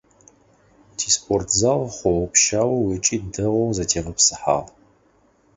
Тиспортзал хъоопщау ыкӏи дэгъоу зэтегъэпсыхьагъ.